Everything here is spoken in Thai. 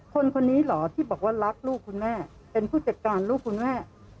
คนนี้เหรอที่บอกว่ารักลูกคุณแม่เป็นผู้จัดการลูกคุณแม่